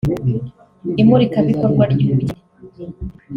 imurikabikorwa ry’ubugeni